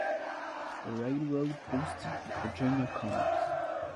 The railroad boosted Virginia commerce.